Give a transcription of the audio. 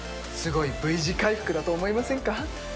すごいＶ字回復だと思いませんか？